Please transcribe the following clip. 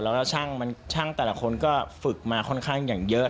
แล้วช่างแต่ละคนก็ฝึกมาค่อนข้างอย่างเยอะ